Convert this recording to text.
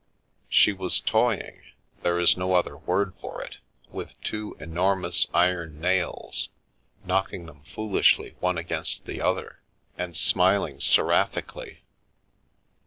She was toying — there is no other word for it — with two enormous iron nails, knocking them foolishly one against the other, and smiling seraph ically.